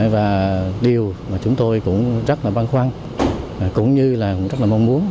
và điều mà chúng tôi cũng rất là văn khoăn cũng như là rất là mong muốn